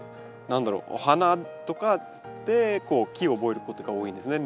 何だろうお花とかで木を覚えることが多いんですね